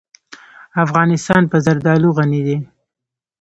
افغانستان په زردالو غني دی.